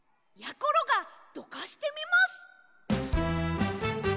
ころがどかしてみます！